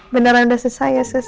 beneran udah susah ya sus